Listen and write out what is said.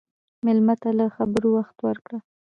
مېلمه ته له خبرو وخت ورکړه.